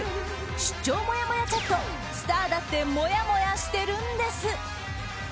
出張もやもやチャットスターだってもやもやしてるんです！